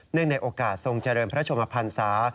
ในโอกาสทรงเจริญพระชมพันศา